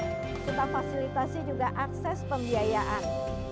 kita fasilitasi juga akses pembiayaan